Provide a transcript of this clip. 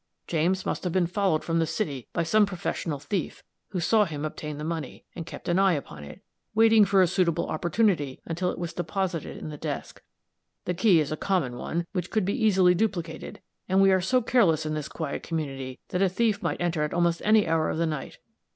James must have been followed from the city by some professional thief, who saw him obtain the money, and kept an eye upon it, waiting for a suitable opportunity, until it was deposited in the desk. The key is a common one, which could be easily duplicated, and we are so careless in this quiet community that a thief might enter at almost any hour of the night.